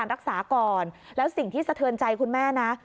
รักษาก่อนแล้วสิ่งที่สะเทือนใจคุณแม่นะ